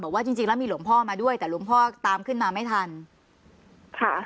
ว่าจริงจริงแล้วมีหลวงพ่อมาด้วยแต่หลวงพ่อตามขึ้นมาไม่ทันค่ะ